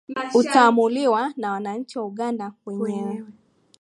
utaamuliwa na wananchi wa uganda wenyewe